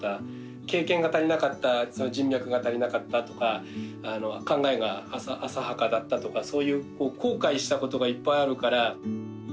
経験が足りなかった人脈が足りなかったとか考えが浅はかだったとかそういう後悔したことがいっぱいあるから。